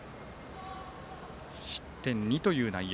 失点２という内容。